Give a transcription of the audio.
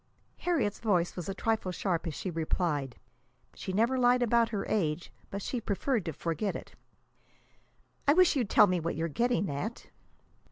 Harriet's voice was a trifle sharp as she replied. She never lied about her age, but she preferred to forget it. "I wish you'd tell me what you're getting at."